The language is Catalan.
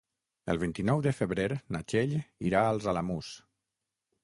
El vint-i-nou de febrer na Txell irà als Alamús.